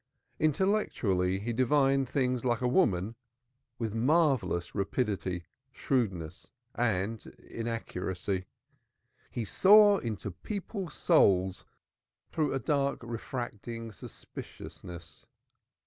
Intellectually he divined things like a woman with marvellous rapidity, shrewdness and inaccuracy. He saw into people's souls through a dark refracting suspiciousness.